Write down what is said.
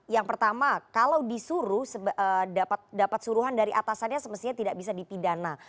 yang pertama kalau disuruh dapat suruhan dari atasannya semestinya tidak bisa dipidana